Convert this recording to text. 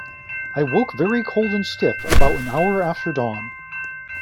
I woke very cold and stiff about an hour after dawn.